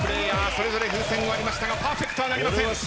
それぞれ風船割りましたがパーフェクトはなりません。